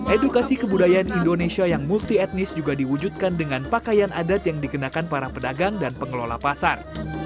edukasi kebudayaan indonesia yang multi etnis juga diwujudkan dengan pakaian adat yang dikenakan para pedagang dan pengelola pasar